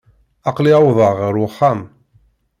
Aql-i uwḍeɣ ɣer uxxam.